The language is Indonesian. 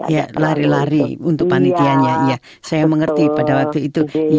ya lari lari untuk panitianya saya mengerti pada waktu itu